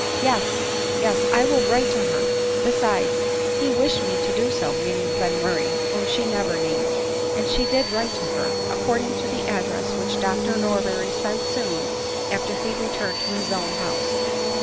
Yes— yes; I will write to her; besides, he wished me to do so," (meaning GJenmurray, whom she sever named ;) and sue did write to her, according to the address which Dr Norberry sent soon after he returned to his own house.